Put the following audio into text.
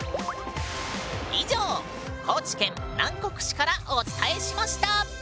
以上高知県南国市からお伝えしました！